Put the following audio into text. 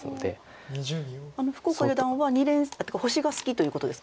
福岡四段は星が好きということですか？